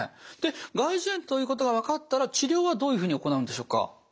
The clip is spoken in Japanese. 外耳炎ということが分かったら治療はどういうふうに行うんでしょうか？